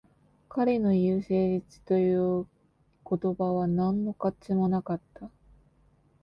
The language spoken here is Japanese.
彼の言う誠実という言葉は何の価値もなかった